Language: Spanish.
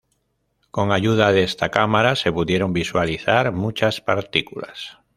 Con ayuda de esta cámara se pudieron visualizar muchas partículas.